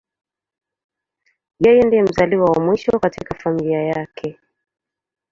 Yeye ndiye mzaliwa wa mwisho katika familia yake.